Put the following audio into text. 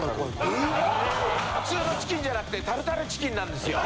普通のチキンじゃなくてタルタルチキンなんですよ。